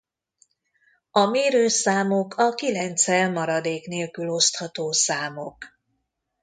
A mérőszámok a kilenccel maradék nélkül osztható számok.